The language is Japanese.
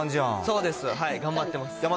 そうです、頑張ってます。